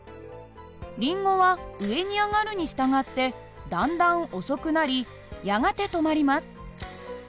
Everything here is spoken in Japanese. リンゴは上に上がるに従ってだんだん遅くなりやがて止まります。